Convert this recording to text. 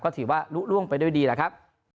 ก็ถือว่าลุ้งไปด้วยดีแหละครับ